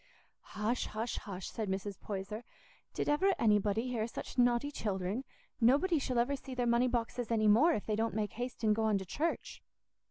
"Hush, hush, hush," said Mrs. Poyser, "did ever anybody hear such naughty children? Nobody shall ever see their money boxes any more, if they don't make haste and go on to church."